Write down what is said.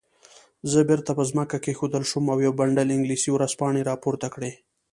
زه بیرته په ځمکه کېښودل شوم او یو بنډل انګلیسي ورځپاڼې راپورته کړې.